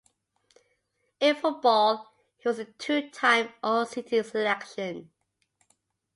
In football, he was a two-time All-City selection.